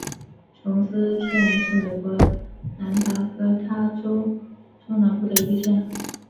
琼斯县是美国南达科他州中南部的一个县。